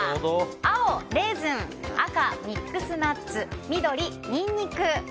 青、レーズン赤、ミックスナッツ緑、ニンニク。